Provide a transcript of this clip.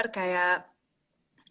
karena ada beberapa